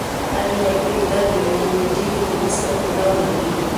آیا د هډوکو درد د ویټامین ډي له کمښت سره تړاو لري؟